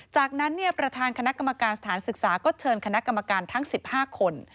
จากนั้นประธานคณะกรรมการสถานศึกษาก็เชิญคณะกรรมการทั้ง๑๕คน